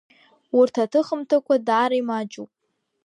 Урҭ аҭыхымҭақәа даара имаҷуп.